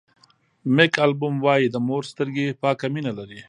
مېک البوم وایي د مور سترګې پاکه مینه لري.